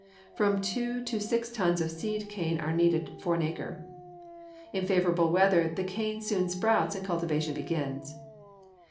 From two to six tons of seed cane are needed for an acre. In favorable weather the cane soon sprouts and cultivation begins.